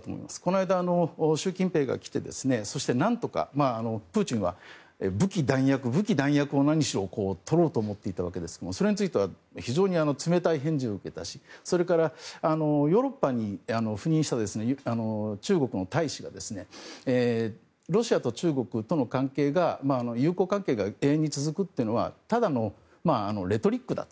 この間、習近平が来て何とかプーチンは武器、弾薬を何しろ取ろうと思っていたわけですがそれについては非常に冷たい返事を受けたしそれから、ヨーロッパに赴任した中国の大使がロシアと中国との関係が友好関係が永遠に続くというのはただのレトリックだと。